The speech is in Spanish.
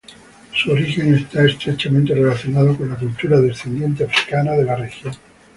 Su origen está estrechamente relacionado con la cultura descendiente africana de la región.